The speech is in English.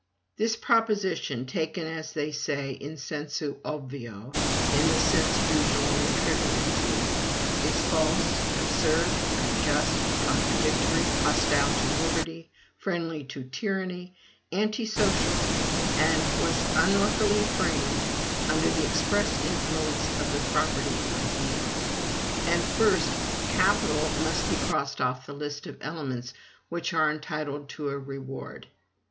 This proposition, taken, as they say, in sensu obvio in the sense usually attributed to it is false, absurd, unjust, contradictory, hostile to liberty, friendly to tyranny, anti social, and was unluckily framed under the express influence of the property idea. And, first, CAPITAL must be crossed off the list of elements which are entitled to a reward.